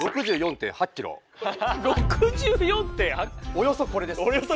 およそこれです。